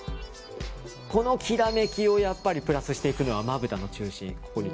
このきらめきをやっぱりプラスしていくのはまぶたの中心。